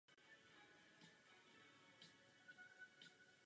Zastavení tohoto vnitřního krvácení je zkouškou naší zásadovosti a důvěryhodnosti.